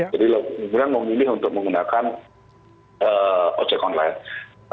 jadi memang memilih untuk menggunakan ojek online